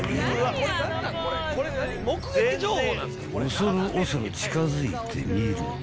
［恐る恐る近づいてみると］